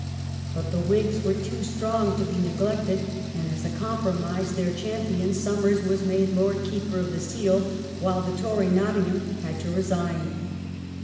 But the Whigs were too strong to be neglected, and, as a compromise, their champion Somers was made Lord Keeper of the Seal, while the Tory Nottingham had to resign.